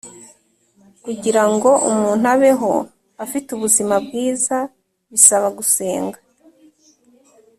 kugirango umuntu abeho afite ubuzima bwiza bisaba gusenga